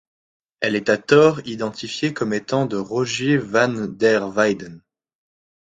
Elle est à tort identifiée comme étant de Rogier van der Weyden.